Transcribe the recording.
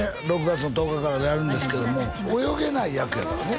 ６月の１０日からやるんですけども泳げない役やからね